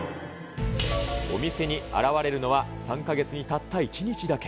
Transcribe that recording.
お店に現れるのは、３か月にたった１日だけ。